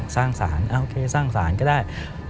สร้างสารโอเคสร้างสารก็ได้